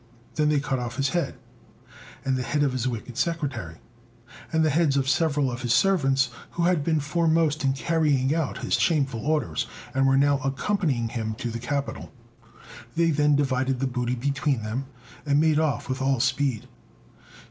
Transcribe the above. They then cut off his head, and the head of his wicked secretary, and the heads of several of his servants who had been foremost in carrying out his shameful orders, and were now accompanying him to the capital. They then divided the booty between them, and made off with all speed.